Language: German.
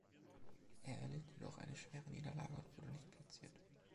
Er erlitt jedoch eine schwere Niederlage und wurde nicht platziert.